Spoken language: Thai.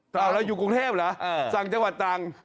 เราอยู่กรุงเทพเหรอสั่งจังหวัดตรัง